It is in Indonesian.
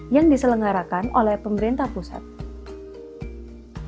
yang diselengarakan oleh pemerintah kabupaten probolinggo